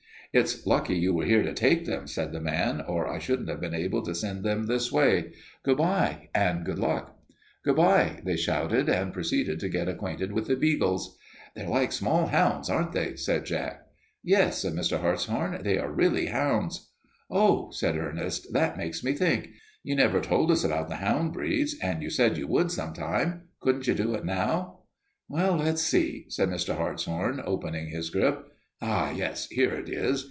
"It's lucky you were here to take them," said the man, "or I shouldn't have been able to send them this way. Good by and good luck." "Good by," they shouted, and proceeded to get acquainted with the beagles. "They're like small hounds, aren't they?" said Jack. "Yes," said Mr. Hartshorn, "they are really hounds." "Oh," said Ernest, "that makes me think. You never told us about the hound breeds, and you said you would sometime. Couldn't you do it now?" "Let's see," said Mr. Hartshorn, opening his grip. "Ah, yes, here it is."